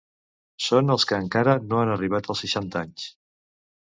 Són els que encara no han arribat als seixanta anys.